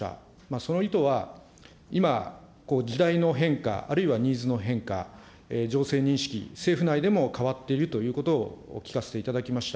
その意図は、今、時代の変化、あるいはニーズの変化、情勢認識、政府内でも変わっているということを聞かせていただきました。